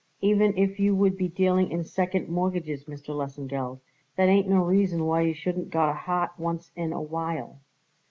Even if you would be dealing in second mortgages, Mr. Lesengeld, that ain't no reason why you shouldn't got a heart once in a while."